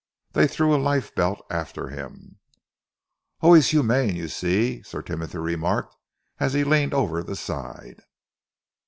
They threw a life belt after him. "Always humane, you see," Sir Timothy remarked, as he leaned over the side.